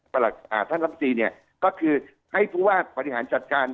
แบบอ่าท่านรัมสีเนี่ยก็คือให้ถึงว่าบริหารจัดการ